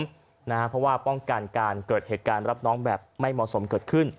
เพราะว่าป้องกันการเกิดเหตุการณ์รับน้องแบบไม่เหมาะสมเกิดขึ้น